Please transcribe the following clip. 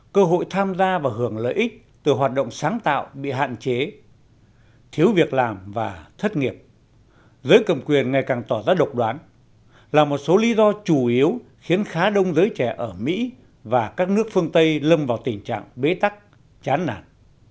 cơ hội tham gia và hưởng lợi ích từ hoạt động sáng tạo bị hạn chế thiếu việc làm và thất nghiệp giới cầm quyền ngày càng tỏ ra độc đoán là một số lý do chủ yếu khiến khá đông giới trẻ ở mỹ và các nước phương tây lâm vào tình trạng bế tắc chán nản